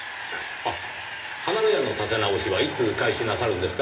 あっ離れ家の建て直しはいつ開始なさるんですか？